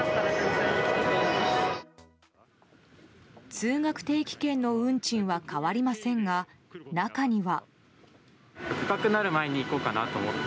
通学定期券の運賃は変わりませんが、中には。